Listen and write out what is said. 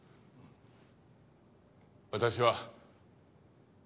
私は。